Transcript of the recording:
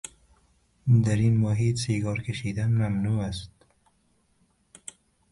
در این محیط، سیگار کشیدن ممنوع است